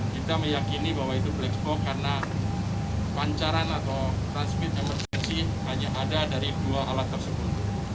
kita meyakini bahwa itu black box karena pancaran atau transmit emergency hanya ada dari dua alat tersebut